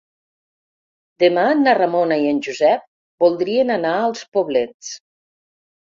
Demà na Ramona i en Josep voldrien anar als Poblets.